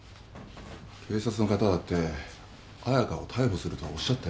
警察の方だって綾香を逮捕するとはおっしゃってない。